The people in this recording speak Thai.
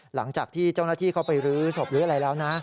หลังจากที่เจ้าหน้าที่เข้าไปรื้อศพลื้ออะไรแล้วนะ